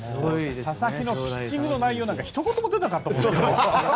佐々木のピッチングの内容なんてひと言も出なかったですよ。